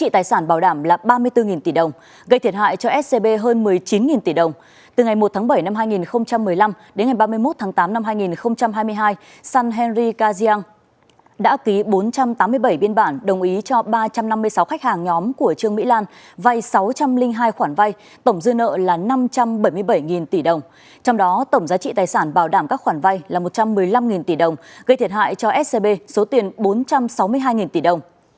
trong đó tổng giá trị tài sản bảo đảm các khoản vay là một trăm một mươi năm tỷ đồng gây thiệt hại cho scb số tiền bốn trăm sáu mươi hai tỷ đồng